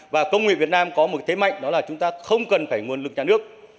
và công nghệ việt nam có một thế mạnh đó là chúng ta không cần phải nguồn lực nhà nước